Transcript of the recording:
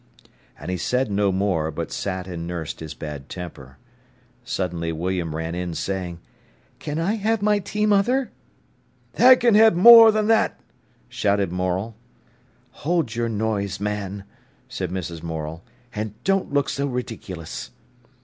And he said no more, but sat and nursed his bad temper. Suddenly William ran in, saying: "Can I have my tea, mother?" "Tha can ha'e more than that!" shouted Morel. "Hold your noise, man," said Mrs. Morel; "and don't look so ridiculous."